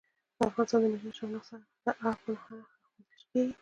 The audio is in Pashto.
د افغانستان د ملي آرشیف نسخه د آر په نخښه ښوول کېږي.